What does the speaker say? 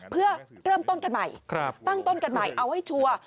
เพื่อเริ่มต้นกันใหม่ตั้งต้นกันใหม่เอาให้ชัวร์